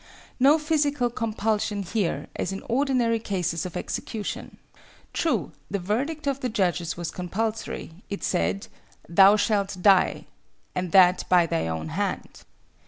No physical compulsion here, as in ordinary cases of execution. True the verdict of the judges was compulsory: it said, "Thou shalt die,—and that by thy own hand."